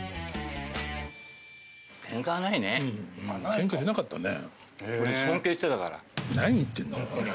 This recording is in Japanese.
ケンカしなかったね。